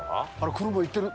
車行ってる。